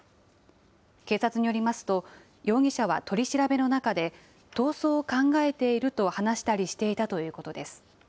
警察によりますと、容疑者は取り調べの中で、逃走を考えていると話したりしていたということです。